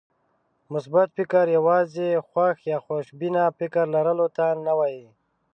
مثبت فکر يوازې خوښ يا خوشبينه فکر لرلو ته نه وایي.